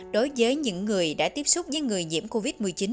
đối với những người đã tiếp xúc với người nhiễm covid một mươi chín